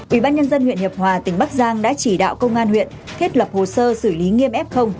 ủy ban nhân dân huyện hiệp hòa tỉnh bắc giang đã chỉ đạo công an huyện thiết lập hồ sơ xử lý nghiêm f